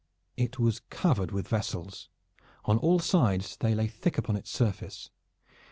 It was covered with vessels. On all sides they lay thick upon its surface.